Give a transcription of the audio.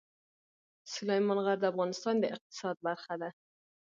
سلیمان غر د افغانستان د اقتصاد برخه ده.